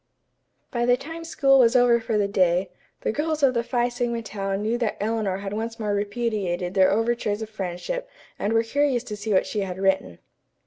By the time school was over for the day, the girls of the Phi Sigma Tau knew that Eleanor had once more repudiated their overtures of friendship and were curious to see what she had written.